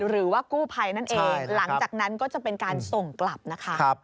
หรือว่ากู้ภัยนั่นเองหลังจากนั้นก็จะเป็นการส่งกลับนะคะ